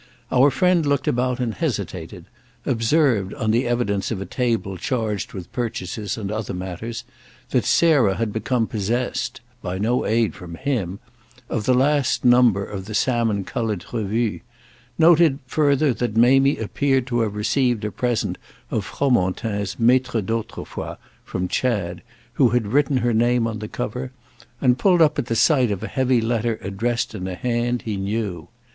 Our friend looked about and hesitated; observed, on the evidence of a table charged with purchases and other matters, that Sarah had become possessed—by no aid from him—of the last number of the salmon coloured Revue; noted further that Mamie appeared to have received a present of Fromentin's "Maîtres d'Autrefois" from Chad, who had written her name on the cover; and pulled up at the sight of a heavy letter addressed in a hand he knew.